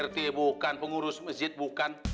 rt bukan pengurus masjid bukan